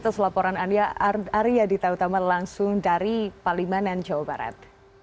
atas laporan anda arya dita utama langsung dari palimanan jawa barat